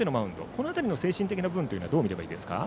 この辺りの精神的な部分はどう見ればいいですか。